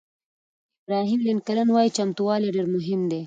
ابراهیم لینکلن وایي چمتووالی ډېر مهم دی.